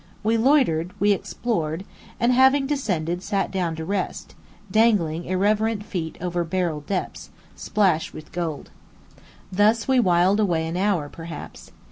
We loitered; we explored; and having descended sat down to rest, dangling irreverent feet over beryl depths, splashed with gold. Thus we whiled away an hour, perhaps.